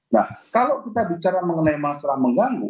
nah kalau kita bicara mengenai masalah mengganggu